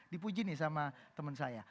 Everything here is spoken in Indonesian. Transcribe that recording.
dipuji nih sama temen saya